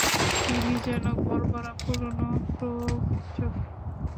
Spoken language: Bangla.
তিনি যেন ঘরভরা পুরনো প্রবচন।